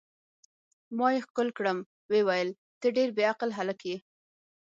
ما یې ښکل کړم، ویې ویل: ته ډېر بې عقل هلک یې.